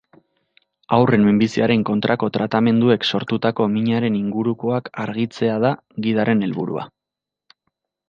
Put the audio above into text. Haurren minbiziaren kontrako tratamenduek sortutako minaren ingurukoak argitzea da gidaren helburua.